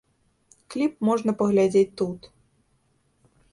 Кліп можна паглядзець тут.